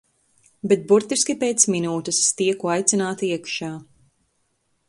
Bet burtiski pēc minūtes es tieku aicināta iekšā.